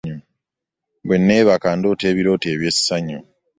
Bwe nnaabaka ndoota ebirooto eby'essanyu.